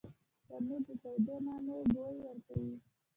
تنور د تودو نانو بوی ورکوي